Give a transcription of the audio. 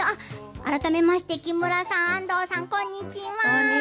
改めまして木村さん、安藤さんこんにちは。